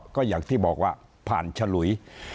ก็อย่างที่บอกว่าผ่านฉลุย